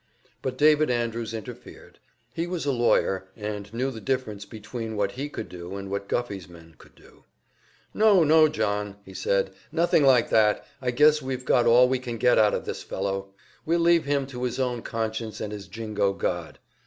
But David Andrews interfered. He was a lawyer, and knew the difference between what he could do and what Guffey's men could do. "No, no, John," he said, "nothing like that. I guess we've got all we can get out of this fellow. We'll leave him to his own conscience and his Jingo God.